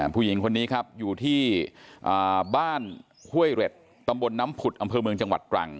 ผู้หญิงคนนี้ครับอยู่ที่บ้านห้วยเร็ดตำบลน้ำผุดอำเภอเมืองจังหวัดตรัง